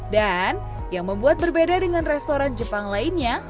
dan yang membuat berbeda dengan restoran jepang lainnya